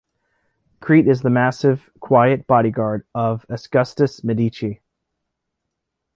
Crete is the massive, quiet bodyguard of Augustus Medici.